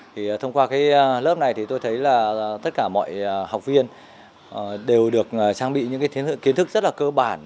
thì thông qua cái lớp này thì tôi thấy là tất cả mọi học viên đều được trang bị những cái kiến thức rất là cơ bản